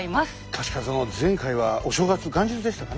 確かその前回はお正月元日でしたかね。